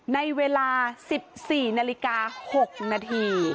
ในเวลา๑๔นาฬิกา๖นาที